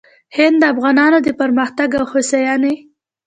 هند د افغانانو د پرمختګ او هوساینې